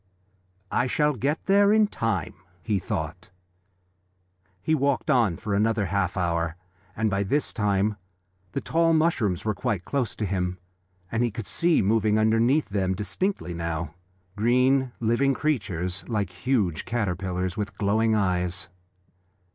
"I shall get there in time," he thought. He walked on for another half hour, and by this time the tall mushrooms were quite close to him, and he could see moving underneath them, distinctly now, green, living creatures like huge caterpillars, with glowing eyes.